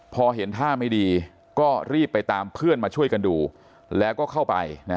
พอเห็นท่าไม่ดีก็รีบไปตามเพื่อนมาช่วยกันดูแล้วก็เข้าไป